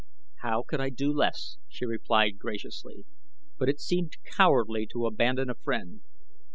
"How could I do less?" she replied graciously. "But it seemed cowardly to abandon a friend."